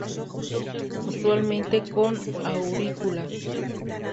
Usualmente con aurículas.